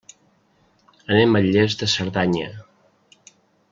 Anem a Lles de Cerdanya.